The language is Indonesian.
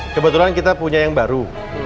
kebetulan kita punya yang baru